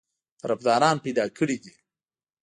طرفداران پیدا کړي دي.